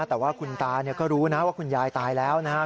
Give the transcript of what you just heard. แต่ว่าคุณตาก็รู้นะว่าคุณยายตายแล้วนะครับ